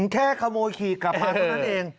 แค่ขโมยขีดกลับมาเท่านั้นเอง